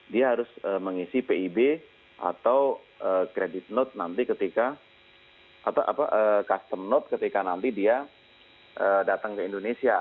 dia harus mengisi pib atau credit note nanti ketika custom note ketika nanti dia datang ke indonesia